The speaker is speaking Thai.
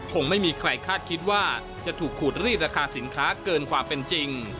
คงไม่มีใครคาดคิดว่าจะถูกขูดรีดราคาสินค้าเกินความเป็นจริง